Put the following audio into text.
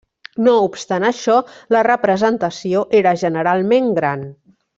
No obstant això, la representació era generalment gran.